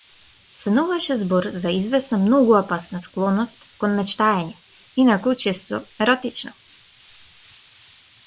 Стануваше збор за извесна многу опасна склоност кон мечтаење, инаку често еротично.